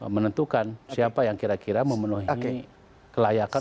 menentukan siapa yang kira kira memenuhi kelayakan